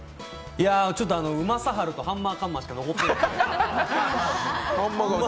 今日うまさはるとハンマーカンマーしか残ってない。